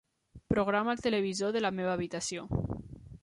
Programa el televisor de la meva habitació.